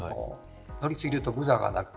乗り過ぎると、ブザーが鳴る。